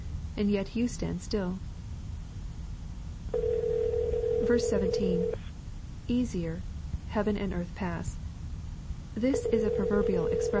And yet you stand stilL" J 7. — [Uasier,..heaven and earth pass.] This is a proverbial expn?